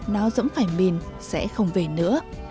nó dẫm phải mình sẽ không về nữa